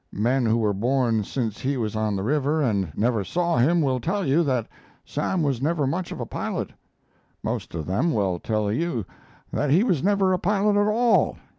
Men who were born since he was on the river and never saw him will tell you that Sam was never much of a pilot. Most of them will tell you that he was never a pilot at all.